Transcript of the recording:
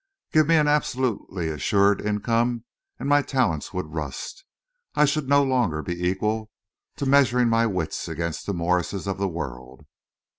Give me an absolutely assured income and my talents would rust. I should no longer be equal to measuring my wits against the Morses of the world."